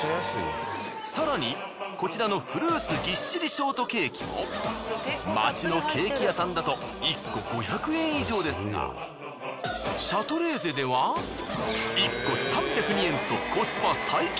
更にこちらのフルーツぎっしりショートケーキも街のケーキ屋さんだと１個５００円以上ですがシャトレーゼでは１個３０２円とコスパ最強！